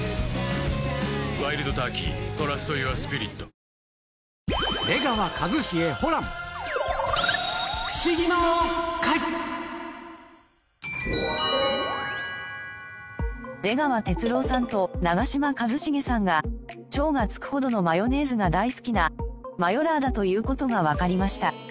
大豆麺キッコーマン出川哲朗さんと長嶋一茂さんが超が付くほどのマヨネーズが大好きなマヨラーだという事がわかりました。